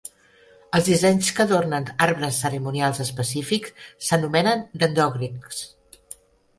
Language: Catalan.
Els dissenys que adornen arbres cerimonials específics s'anomenen "dendroglics".